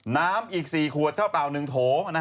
น้ำอีก๔ขวดเท่าเต่า๑โถ